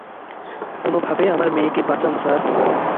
কোনোভাবে আমার মেয়েকে বাঁচান স্যার।